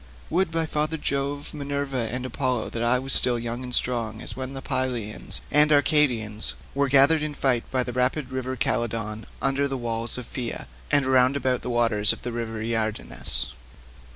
Would, by father Jove, Minerva, and Apollo, that I were still young and strong as when the Pylians and Arcadians were gathered in fight by the rapid river Celadon under the walls of Pheia, and round about the waters of the river Iardanus.